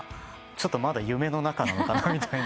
まだ夢の中なのかなみたいな。